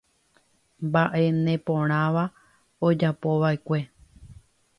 Mba'e neporãva ojapova'ekue.